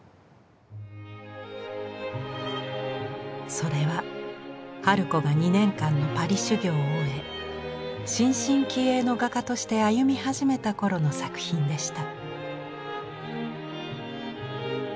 それは春子が２年間のパリ修業を終え新進気鋭の画家として歩み始めた頃の作品でした。